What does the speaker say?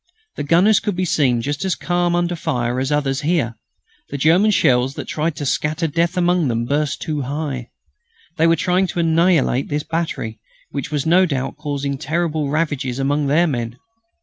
The gunners could be seen just as calm under fire as the others here. The German shells, that tried to scatter death among them, burst too high. They were trying to annihilate this battery, which was no doubt causing terrible ravages among their men.